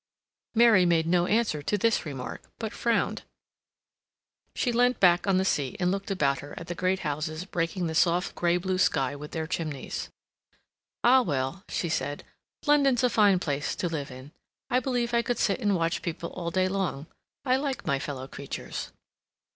Mary made no answer to this remark, but frowned. She leant back on the seat and looked about her at the great houses breaking the soft gray blue sky with their chimneys. "Ah, well," she said, "London's a fine place to live in. I believe I could sit and watch people all day long. I like my fellow creatures...."